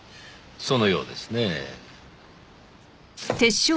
そのようですねぇ。